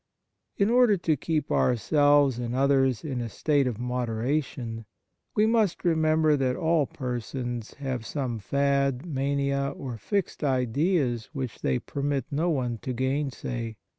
In order to keep ourselves and others in a state of moderation, we must remember that all persons have some fad, mania, or fixed ideas which they permit no one to : gainsay.